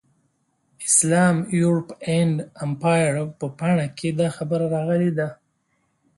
اسلام، یورپ اینډ امپایر په پاڼه کې دا خبره راغلې ده.